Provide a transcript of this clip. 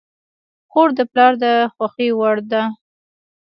خور د پلار د خوښې وړ ده.